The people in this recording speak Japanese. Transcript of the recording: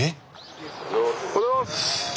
おはようございます。